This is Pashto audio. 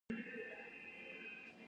د خاورې لپاره مهمې ازموینې شتون لري